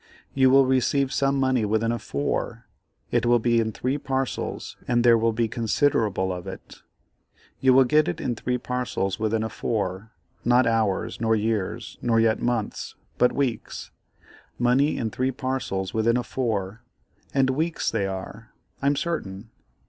You will receive some money within a 4; it will be in three parcels, and there will be considerable of it. You will get it in three parcels within a 4, not hours, nor years, nor yet months, but weeks; money in three parcels within a 4, and weeks they are, I'm certain.